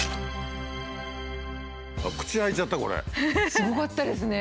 すごかったですね。